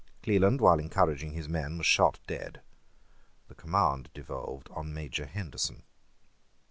Cleland, while encouraging his men, was shot dead. The command devolved on Major Henderson.